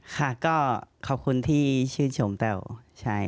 ค่ะก็ขอบคุณที่ชื่นชมเต้า